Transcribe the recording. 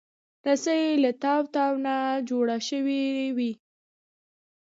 رسۍ له تاو تاو نه جوړه شوې وي.